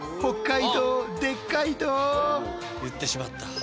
言ってしまった。